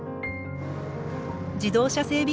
自動車整備